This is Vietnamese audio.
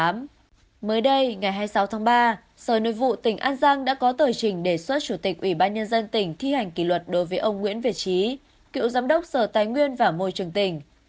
mới đây ngày hai mươi sáu tháng ba sở nội vụ tỉnh an giang đã có tờ trình đề xuất chủ tịch ủy ban nhân dân tỉnh thi hành kỷ luật đối với ông nguyễn việt trí cựu giám đốc sở tài nguyên và môi trường tỉnh